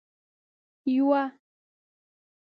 یوه